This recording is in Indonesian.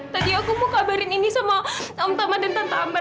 tadi aku mau kabarin ini sama om tama dan tante ambar